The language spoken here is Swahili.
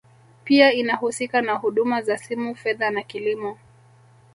Pia inahusika na huduma za simu fedha na kilimo